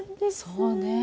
そうね。